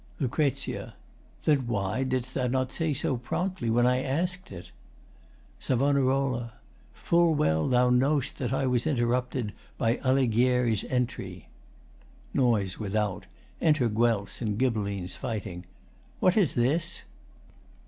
LUC. Then why Didst thou not say so promptly when I ask'd it? SAV. Full well thou knowst that I was interrupted By Alighieri's entry. [Noise without. Enter Guelfs and Ghibellines fighting.] What is this?